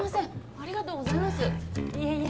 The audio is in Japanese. ありがとうございますいえいえ